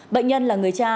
bệnh nhân là người cha